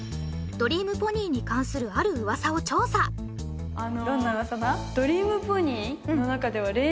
ドリームポニーに関するある噂を調査どんな噂だ？